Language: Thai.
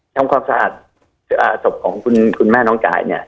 ทำความสะอาดศพของคุณแม่น้องจ่ายเนี่ย